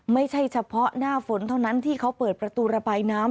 ไม่ใช่เฉพาะหน้าฝนเท่านั้นที่เขาเปิดประตูระบายน้ำ